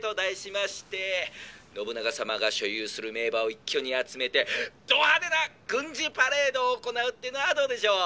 信長様が所有する名馬を一挙に集めてど派手な軍事パレードを行うっていうのはどうでしょう？」。